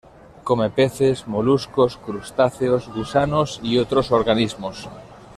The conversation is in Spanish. Come peces, moluscos, crustáceos, gusanos y otros organismos.